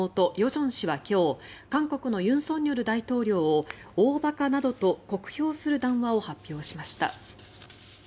正氏は今日韓国の尹錫悦大統領を大馬鹿などと酷評する談話を発表しました。